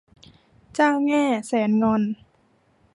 เจ้าแง่แสนงอน